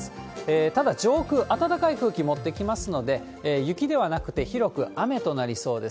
ただ、上空、暖かい空気持ってきますので、雪ではなくて、広く雨となりそうです。